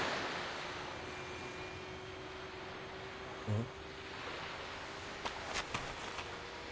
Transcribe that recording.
うん？